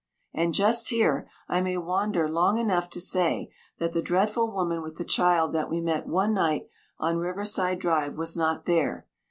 (And just here, I may wander long enough to say that the dreadful woman with the child that we met one night on Riverside Drive was not there.